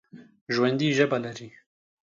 ژوندي ژبه لري